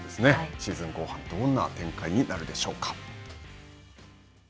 シーズン後半、どんな展開になるでしょうか。